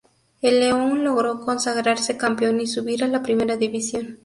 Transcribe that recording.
El León logró consagrarse campeón y subir a la Primera División.